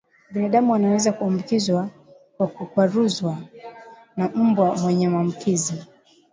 Binadamu anaweza kuambukizwa kwa kukwaruzwa na mbwa mwenye maambukizi